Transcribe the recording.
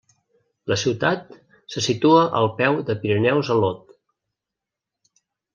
La ciutat se situa al peu de Pirineus a l'Aude.